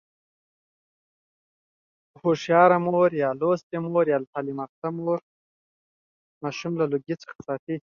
لوستې مور ماشوم له لوګي ساتي.